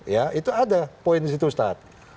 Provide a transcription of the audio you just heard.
ya itu ada poin di situ ustadz